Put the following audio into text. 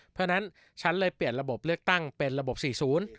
เพราะฉะนั้นฉันเลยเปลี่ยนระบบเลือกตั้งเป็นระบบสี่ศูนย์